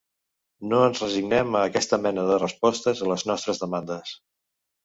No ens resignem a aquesta mena de respostes a les nostres demandes.